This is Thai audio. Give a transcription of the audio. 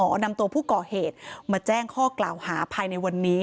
นำตัวผู้ก่อเหตุมาแจ้งข้อกล่าวหาภายในวันนี้